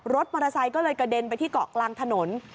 รถมอเตอร์ไซค์ก็เลยกระเด็นไปที่เกาะกลางถนน